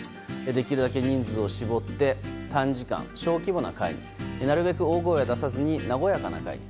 できるだけ人数を絞って短時間小規模な会で、大きな声を出さないで穏やかな会。